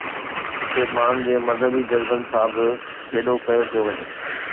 اتي ماڻهن جي مذهبي جذبن سان به کيڏو ڪيو پيو وڃي.